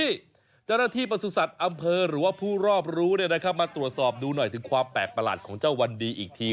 เจ้าหน้าที่ประสุทธิ์อำเภอหรือว่าผู้รอบรู้มาตรวจสอบดูหน่อยถึงความแปลกประหลาดของเจ้าวันดีอีกที